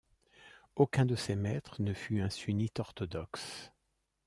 Aucun de ses maîtres ne fut un sunnite orthodoxe.